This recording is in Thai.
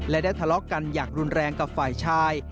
และได้ทะเลาะกันอย่างรุนแรงกับฝ่ายชาย